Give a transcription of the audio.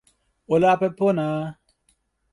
o lape pona!